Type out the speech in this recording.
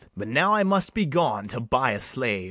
] But now I must be gone to buy a slave.